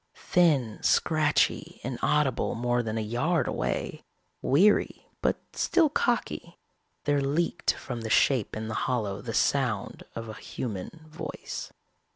Thin, scratchy, inaudible more than a yard away, weary but still cocky, there leaked from the shape in the hollow the sound of a human voice.